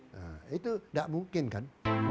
nah itu tidak mungkin kan